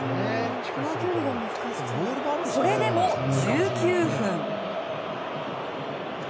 それでも１９分。